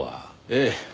ええ。